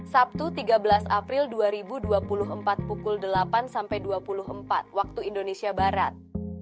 sabtu tiga belas april dua ribu dua puluh empat pukul delapan sampai dua puluh empat waktu indonesia barat